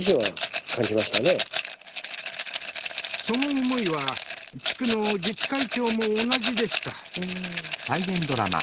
その思いは地区の自治会長も同じでした。